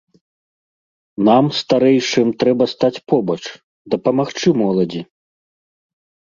Нам, старэйшым, трэба стаць побач, дапамагчы моладзі.